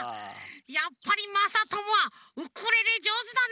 やっぱりまさともはウクレレじょうずだね！